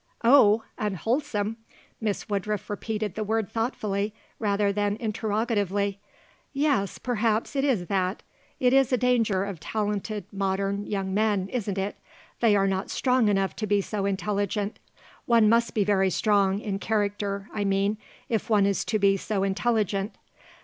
"Oh! Unwholesome?" Miss Woodruff repeated the word thoughtfully rather than interrogatively. "Yes; perhaps it is that. It is a danger of talented modern young men, isn't it. They are not strong enough to be so intelligent; one must be very strong in character, I mean if one is to be so intelligent.